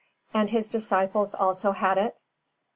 _And his disciples also had it?